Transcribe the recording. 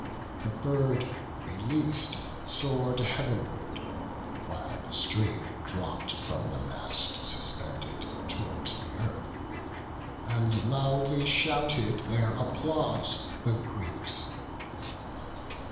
The bird releas'd, soar'd heav'nward; while the string Dropp'd, from the mast suspended, tow'rds the earth, And loudly shouted their applause the Greeks.